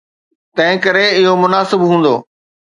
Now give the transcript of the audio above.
تنهنڪري اهو مناسب هوندو.